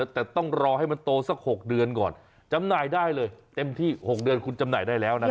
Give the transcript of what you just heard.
แต่ต้องรอให้มันโตสัก๖เดือนก่อนจำหน่ายได้เลยเต็มที่๖เดือนคุณจำหน่ายได้แล้วนะครับ